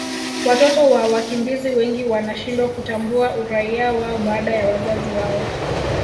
watoto wa wakimbizi wengi wanashindwa kutambua uraia wao baada ya wazazi wao